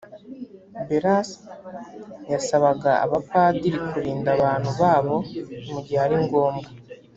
beras yasabaga abapadiri kurinda abantu babo mugihe ari ngombwa